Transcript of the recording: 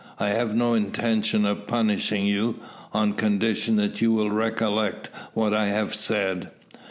I have no intention of punishing you, on condition that you will recollect what I have said."